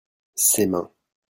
ses mains.